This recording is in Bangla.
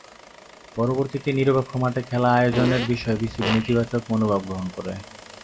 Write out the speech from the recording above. পরবর্তীতে নিরপেক্ষ মাঠে খেলা আয়োজনের বিষয়ে বিসিবি নেতিবাচক মনোভাব গ্রহণ করে।